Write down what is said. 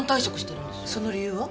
その理由は？